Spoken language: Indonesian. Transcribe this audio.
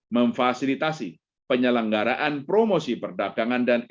memfasilitasi penyelenggaraan promosi perdagangan dan investasi